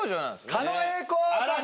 狩野英孝さん